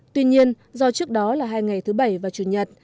tuy nhiên do trước đó là hai ngày thứ bảy và chủ nhật